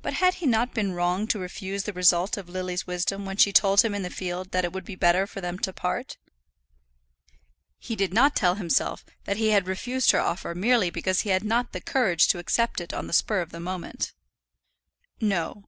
But had he not been wrong to refuse the result of Lily's wisdom when she told him in the field that it would be better for them to part? He did not tell himself that he had refused her offer merely because he had not the courage to accept it on the spur of the moment. No.